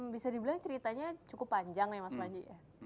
bisa dibilang ceritanya cukup panjang nih mas panji